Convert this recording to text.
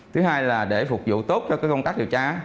thứ hai là để phục vụ tốt cho công tác điều tra